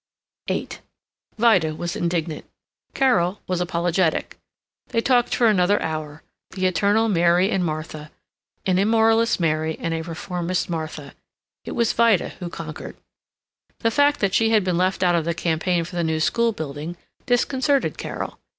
VIII Vida was indignant; Carol was apologetic; they talked for another hour, the eternal Mary and Martha an immoralist Mary and a reformist Martha. It was Vida who conquered. The fact that she had been left out of the campaign for the new schoolbuilding disconcerted Carol.